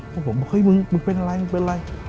พวกผมบอกเฮ้ยมึงมึงเป็นอะไรมึงเป็นอะไร